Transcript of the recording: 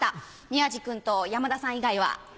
宮治君と山田さん以外は。